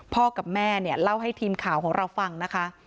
กับแม่เนี่ยเล่าให้ทีมข่าวของเราฟังนะคะ